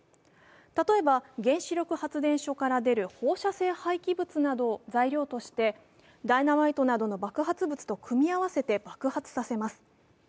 例えば原子力発電所から出る放射性廃棄物などを材料としてダイナマイトなどの爆発物と組み合わせて爆発させます。